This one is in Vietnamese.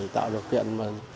tạo được kiện